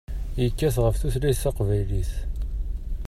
Yekkat ɣef tutlayt taqbaylit.